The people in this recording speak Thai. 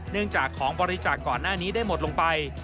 เนื่องจากของบริจาคก่อนหน้านี้ได้หมดลงไป